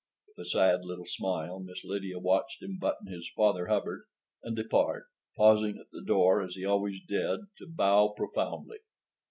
With a sad little smile Miss Lydia watched him button his "Father Hubbard" and depart, pausing at the door, as he always did, to bow profoundly.